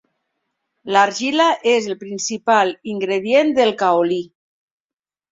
L'argila és el principal ingredient del caolí.